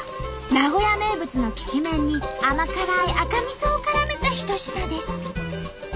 名古屋名物のきしめんに甘辛い赤みそをからめた一品です。